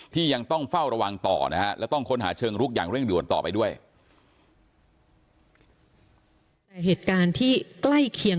ยังต้องเฝ้าระวังต่อนะฮะและต้องค้นหาเชิงลุกอย่างเร่งด่วนต่อไปด้วย